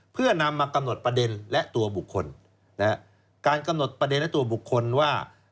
เพื่อนำมากำหนดประเด็นและตัวบุคคลนะฮะการกำหนดประเด็นและตัวบุคคลว่า